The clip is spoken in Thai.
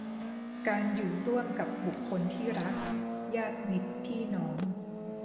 การอยู่ร่วมกับบุคคลที่รัก ญาติมิตรพี่น้อง